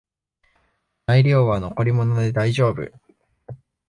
材料は残り物でだいじょうぶ